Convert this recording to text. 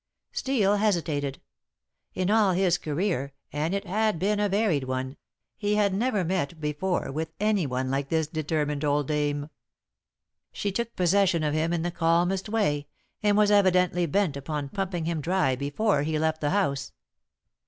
Steel hesitated. In all his career and it had been a varied one he had never met before with anyone like this determined old dame. She took possession of him in the calmest way, and was evidently bent upon pumping him dry before he left the house.